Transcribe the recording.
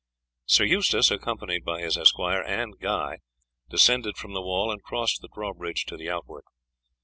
Sir Eustace, accompanied by his esquire and Guy, descended from the wall and crossed the drawbridge to the outwork.